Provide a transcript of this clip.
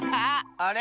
あれ？